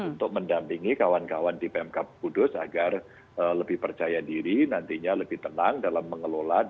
untuk mendampingi kawan kawan di pmk kudus agar lebih percaya diri nantinya lebih tenang dalam mengelola